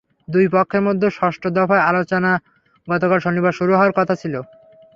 দুই পক্ষের মধ্যে ষষ্ঠ দফার আলোচনা গতকাল শনিবার শুরু হওয়ার কথা ছিল।